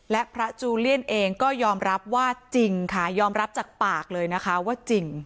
และพระจูเลียนเองก็ยอมรับว่าจริงค่ะยอมรับจากปากเลยนะคะว่าจริง